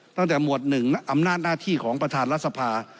ตั้งแต่หมวดหนึ่งอำนาจหน้าที่ของประธานรัฐสภา